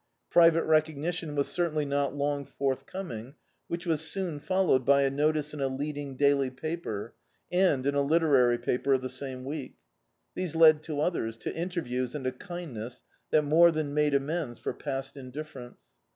Private recognition was certainly not long forthcoming, which was soon followed by a notice in a leading daily paper, and in a literary paper of the same week, liiese led to others, to interviews and a kindness that more than made amends for past indifference.